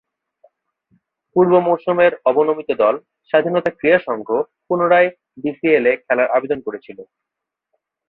পূর্ব মৌসুমের অবনমিত দল স্বাধীনতা ক্রীড়া সংঘ পুনরায় বিসিএল-এ খেলার আবেদন করেছিল।